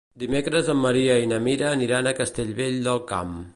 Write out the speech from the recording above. Dimecres en Maria i na Mira aniran a Castellvell del Camp.